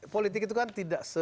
politik itu kan tidak